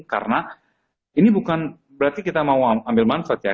karena ini bukan berarti kita mau ambil manfaat ya